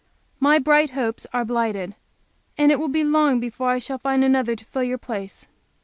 My bright hopes are blighted, and it will be long before I shall find another to fill your place.